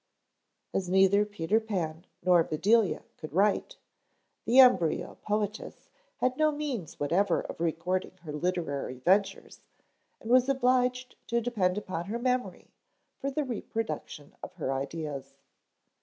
As neither Peter Pan nor Bedelia could write, the embryo poetess had no means whatever of recording her literary ventures and was obliged to depend upon her memory for the reproduction of her ideas.